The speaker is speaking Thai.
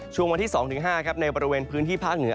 ตรงวันที่๒๕ในประเภทพื้นที่พักเหนือ